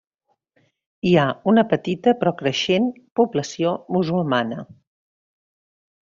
Hi ha una petita però creixent població musulmana.